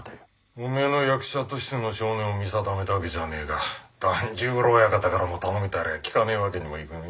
おめえの役者としての性根を見定めたわけじゃねえが團十郎親方からの頼みとありゃ聞かねえわけにもいくめえ。